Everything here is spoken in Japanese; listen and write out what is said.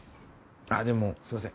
あでもすみません